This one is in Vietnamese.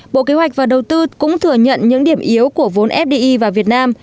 bộ kế hoạch và đầu tư cũng thừa nhận những điểm yếu của vốn fdi vào việt nam